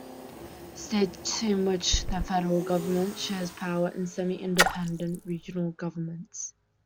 States in which the federal government shares power with semi-independent regional governments.